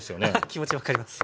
気持ち分かります。